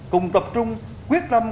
cùng tập trung quyết tâm